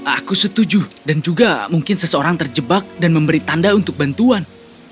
aku setuju dan juga mungkin seseorang terjebak dan memberi tanda untuk bantuan